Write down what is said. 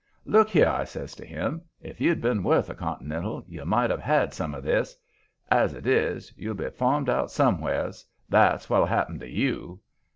"'Look here,' I says to him; 'if you'd been worth a continental you might have had some of this. As it is, you'll be farmed out somewheres that's what'll happen to YOU.'"